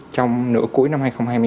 trong nửa cuối năm hai nghìn hai mươi ba